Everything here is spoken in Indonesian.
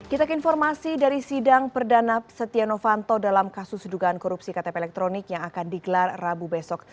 kita ke informasi dari sidang perdana setia novanto dalam kasus dugaan korupsi ktp elektronik yang akan digelar rabu besok